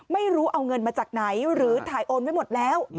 ไม่รู้เอาเงินมาจากไหนหรือถ่ายโอนไว้หมดแล้ว